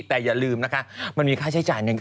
แต่อย่าลืมนะคะมันมีค่าใช้จ่ายหนึ่ง